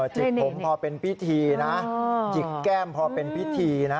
จิกผมพอเป็นพิธีนะจิกแก้มพอเป็นพิธีนะ